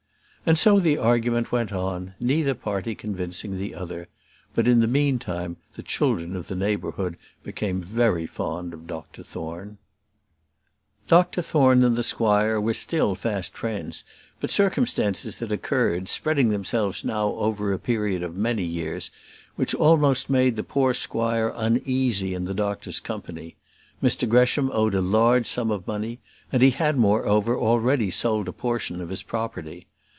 And so the argument went on, neither party convincing the other. But, in the meantime, the children of the neighbourhood became very fond of Dr Thorne. Dr Thorne and the squire were still fast friends, but circumstances had occurred, spreading themselves now over a period of many years, which almost made the poor squire uneasy in the doctor's company. Mr Gresham owed a large sum of money, and he had, moreover, already sold a portion of his property.